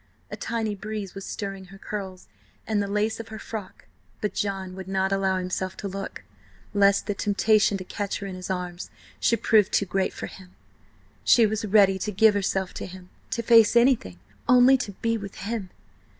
A tiny breeze was stirring her curls and the lace of her frock, but John would not allow himself to look, lest the temptation to catch her in his arms should prove too great for him. She was ready to give herself to him; to face anything, only to be with him.